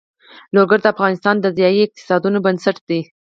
لوگر د افغانستان د ځایي اقتصادونو بنسټ دی.